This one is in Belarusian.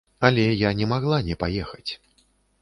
Але я не магла не паехаць.